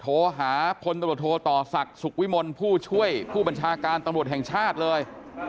โทรหาพลตำรวจโทต่อศักดิ์สุขวิมลผู้ช่วยผู้บัญชาการตำรวจแห่งชาติเลย